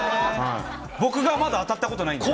僕がまだあたったことないんで。